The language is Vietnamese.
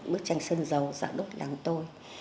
bức tranh sân dầu giả đúc đằng tôi